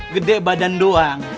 gede badan doang